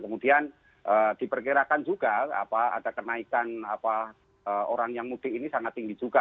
kemudian diperkirakan juga ada kenaikan orang yang mudik ini sangat tinggi juga